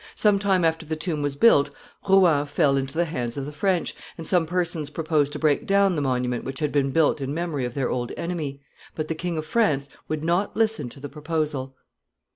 Some time after the tomb was built Rouen fell into the hands of the French, and some persons proposed to break down the monument which had been built in memory of their old enemy; but the King of France would not listen to the proposal.